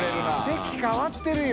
席変わってるよ。